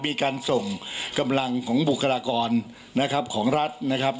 มีการส่งกำลังของบุคลากรนะครับของรัฐนะครับ